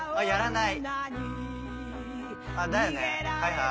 ない？